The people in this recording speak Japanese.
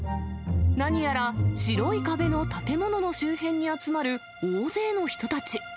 何やら白い壁の建物の周辺に集まる、大勢の人たち。